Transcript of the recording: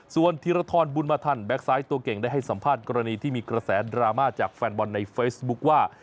ส่วนธีรทรบุญมาทันแก๊กไซต์ตัวเก่งได้ให้สัมภาษณ์กรณีที่มีกระแสดราม่าจากแฟนบอลในเฟซบุ๊คว่า